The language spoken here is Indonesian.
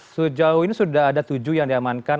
sejauh ini sudah ada tujuh yang diamankan